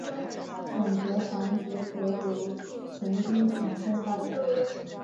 总结环节则由曾荫权先发言。